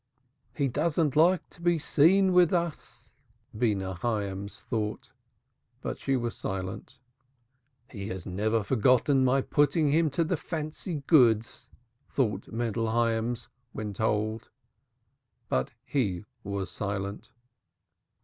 "He doesn't like to be seen with us," Beenah Hyams thought. But she was silent. "He has never forgiven my putting him to the fancy goods," thought Mendel Hyams when told. But he was silent.